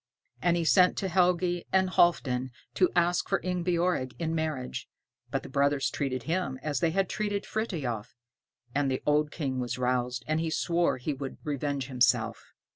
And he sent to Helgi and Halfdan to ask for Ingebjorg in marriage, but the brothers treated him as they had treated Frithiof; and the old King was roused, and he swore he would revenge himself.